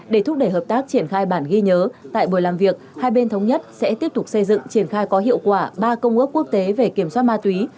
để thúc đẩy hợp tác triển khai bản ghi nhớ tại buổi làm việc hai bên thống nhất sẽ tiếp tục xây dựng triển khai có hiệu quả ba công ước quốc tế về kiểm soát ma túy